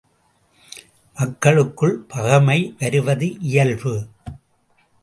மக்களுக்குள் பகைமை வருவது இயல்பு.